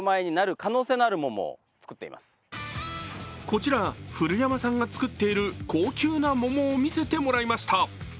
こちら、古山さんが作っている高級な桃を見せてもらいました。